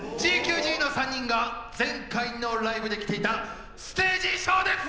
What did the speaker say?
ＧＱＧの三人が前回のライブで着ていたステージ衣装です！